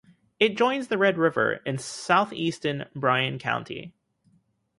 It joins the Red River in southeastern Bryan County.